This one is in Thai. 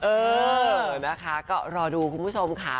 เออนะคะก็รอดูคุณผู้ชมค่ะ